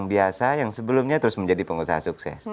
yang biasa yang sebelumnya terus menjadi pengusaha sukses